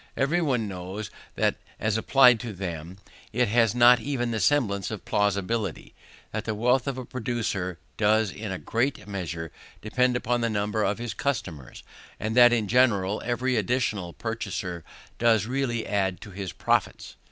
Every one knows that as applied to them it has not even the semblance of plausibility; that the wealth of a producer does in a great measure depend upon the number of his customers, and that in general every additional purchaser does really add to his profits.